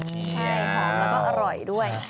ใช่หอมแล้วก็อร่อยด้วย